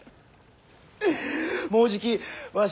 もうじきわし。